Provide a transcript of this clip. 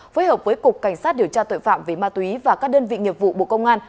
phối hợp với cục cảnh sát điều tra tội phạm về ma túy và các đơn vị nghiệp vụ bộ công an